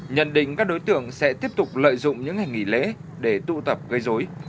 nhận định các đối tượng sẽ tiếp tục lợi dụng những ngày nghỉ lễ để tụ tập gây dối